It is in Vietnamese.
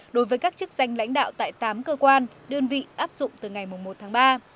đối với các chức danh lãnh đạo tại tám cơ quan đơn vị áp dụng từ ngày một tháng ba